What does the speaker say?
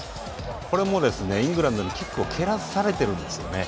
これもイングランドにキックを蹴らされているんですね。